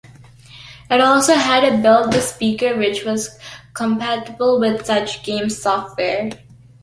It also had a built in speaker which was compatible with such games software.